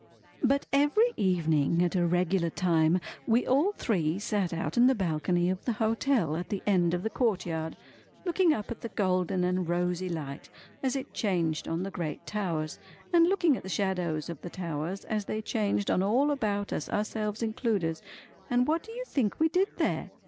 But every evening at a regular time we all three sat out in the balcony of the hotel at the end of the courtyard, looking up at the golden and rosy light as it changed on the great towers, and looking at the shadows of the towers as they changed on all about us ourselves included, and what do you think we did there?